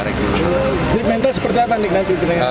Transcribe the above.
tim mental seperti apa